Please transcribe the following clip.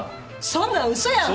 そんなん嘘やん！？